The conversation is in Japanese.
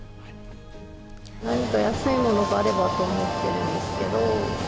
何か安いものがあればと思ってるんですけど。